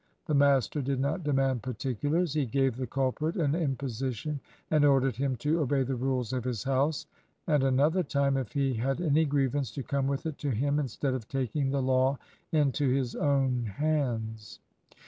The master did not demand particulars. He gave the culprit an imposition, and ordered him to obey the rules of his house; and another time, if he had any grievance, to come with it to him instead of taking the law into his own hands.